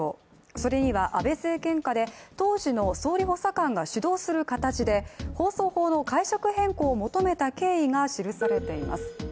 それには安倍政権下で当時の総理補佐官が始動する形で放送法の解釈変更を求めた経緯が記されています。